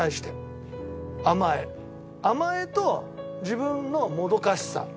甘えと自分のもどかしさ。